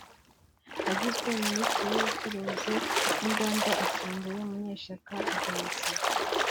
wagizwe Minisitiri w’Ubucuruzi n‘Inganda asimbuye Munyeshyaka Vincent